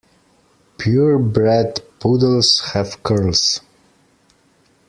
Pure bred poodles have curls.